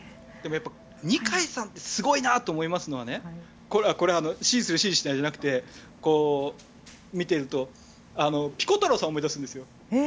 二階さんってすごいなと思いますのはこれは支持する支持しないではなくて見ているとピコ太郎さんを思い出すんです。